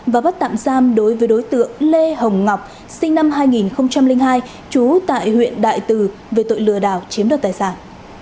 và bắt tạm giam đối với đối tượng lê hồng ngọc sinh năm hai nghìn hai trú tại huyện đại từ về tội lừa đảo chiếm đoạt tài sản